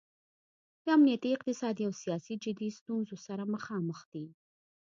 د امنیتي، اقتصادي او سیاسي جدي ستونځو سره مخامخ دی.